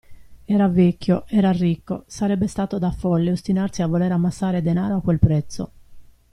Era vecchio, era ricco, sarebbe stato da folle ostinarsi a voler ammassare denaro a quel prezzo.